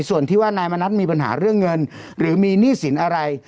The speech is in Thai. ส่วนที่ว่านายมณัฐมีปัญหาเรื่องเงินหรือมีหนี้สินอะไร